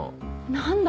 何？